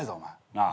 なあ。